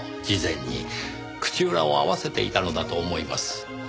事前に口裏を合わせていたのだと思います。